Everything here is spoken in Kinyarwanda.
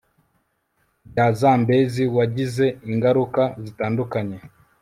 bya zambezi wagize ingaruka zitandukanye